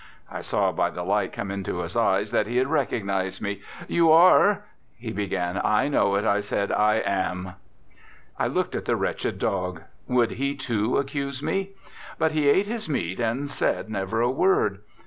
I saw by the light come into his eye that he had recognised me. "You are " he began. "I know it," I said; "I am." I looked at the wretched dog. Would he too accuse me? But he ate his meat and said never a word.